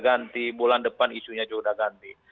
ganti bulan depan isunya juga udah ganti